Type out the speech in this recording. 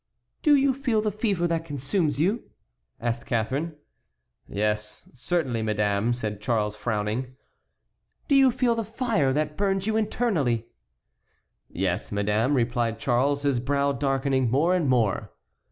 "Do you feel the fever that consumes you?" asked Catharine. "Yes, certainly, madame," said Charles, frowning. "Do you feel the fire that burns you internally?" "Yes, madame," replied Charles, his brow darkening more and more.